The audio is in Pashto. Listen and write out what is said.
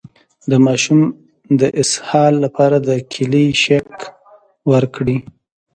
د ماشوم د اسهال لپاره د کیلي شیک ورکړئ